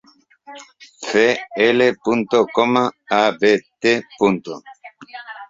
Cl., Abt.